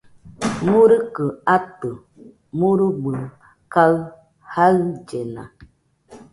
Murukɨ atɨ, murubɨ kaɨ jaɨllena